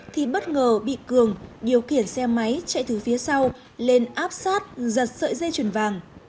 thì bất ngờ bị cường điều khiển xe máy chạy từ phía sau lên áp sát giật sợi dây chuyền vàng